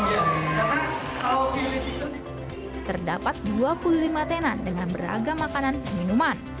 terdapat dua puluh lima tenan dengan beragam makanan dan minuman